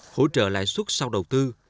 hỗ trợ lãi suất sau đầu tư